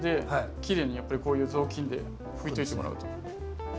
きれいにこういう雑巾で拭いといてもらうと。